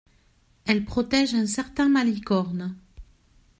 Elle protège un certain Malicorne.